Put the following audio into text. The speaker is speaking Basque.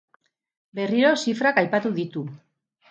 Berriro zifrak aipatu ditu.